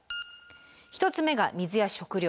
１つ目が水や食糧。